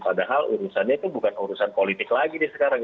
padahal urusannya itu bukan urusan politik lagi nih sekarang